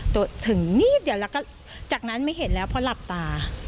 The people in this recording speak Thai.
ถึงนิดเดียวแล้วก็จากนั้นไม่เห็นแล้วเพราะหลับตา